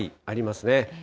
ありますね。